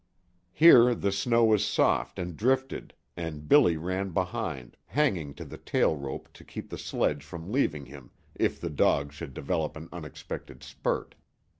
Here the snow was soft and drifted, and Billy ran behind, hanging to the tail rope to keep the sledge from leaving him if the dogs should develop an unexpected spurt.